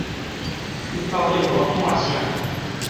你到底予我看啥